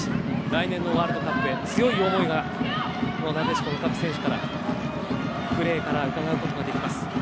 来年のワールドカップへ強い思いがなでしこの各選手からプレーからうかがうことができます。